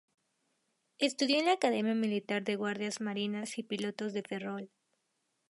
Estudió en la Academia Militar de Guardias Marinas y Pilotos de Ferrol.